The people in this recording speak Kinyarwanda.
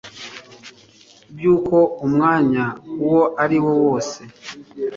by'uko umwanya uwo ari wo wose